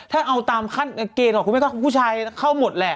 ถ้าเอาตามขั้นเกรกก่อนคุณแม่ก็คุณบ้านไหนข้างผู้ชายเข้าหมดแหละ